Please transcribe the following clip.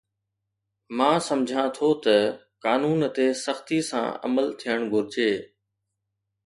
مان سمجهان ٿو ته قانون تي سختي سان عمل ٿيڻ گهرجي